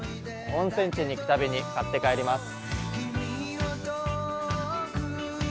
温泉地に行くたびに買って帰ります。